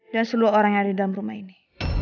dan semua orang yang ada dalam rumah ini